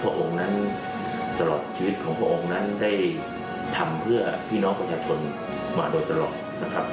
พระองค์นั้นตลอดชีวิตของพระองค์นั้นได้ทำเพื่อพี่น้องประชาชนมาโดยตลอดนะครับ